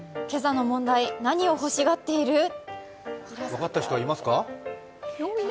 分かった人いますか？